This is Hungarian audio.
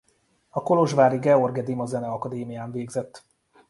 A kolozsvári Gheorghe Dima Zeneakadémián végzett.